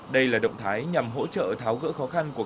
đây là động thái nhằm hỗ trợ tháo gỡ khó khăn của các nhà nước